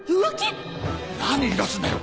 何言いだすんだよ。